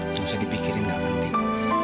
bisa dipikirin gak penting